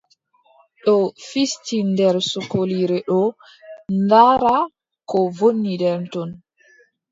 Ɗo fisti nder sokoliire ɗo ndaara ko woni nder ton.